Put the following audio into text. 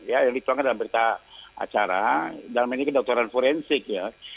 ya yang dituangkan dalam berita acara dalam ini kedokteran forensik ya